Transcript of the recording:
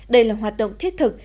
đây là hoạt động thiết thực